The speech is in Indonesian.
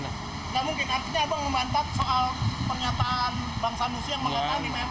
gak mungkin artinya abang memantat soal pernyataan bang sanusi yang mengatakan lima f